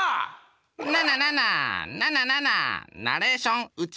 ななななななななナレーションうちマンション！